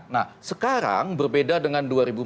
nah sekarang berbeda dengan dua ribu empat belas